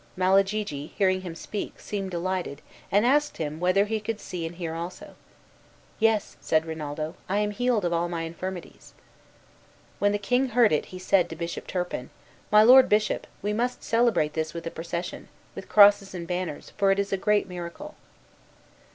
Malagigi, hearing him speak, seemed delighted, and asked him whether he could see and hear also. "Yes," said Rinaldo, "I am healed of all my infirmities." When the king heard it he said to Bishop Turpin, "My lord bishop, we must celebrate this with a procession, with crosses and banners, for it is a great miracle."